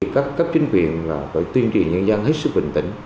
các chính quyền phải tuyên trì nhân dân hết sức bình tĩnh